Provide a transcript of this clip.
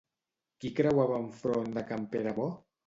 Qui creuava enfront de can Pere-Bo?